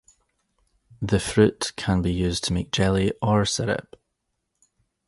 The fruit can be used to make jelly or syrup.